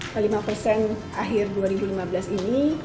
ke lima persen akhir dua ribu lima belas ini